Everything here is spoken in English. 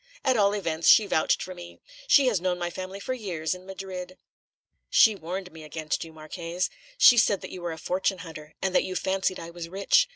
"At all events, she vouched for me. She has known my family for years, in Madrid." "She warned me against you, Marchese. She said that you were a fortune hunter, and that you fancied I was rich.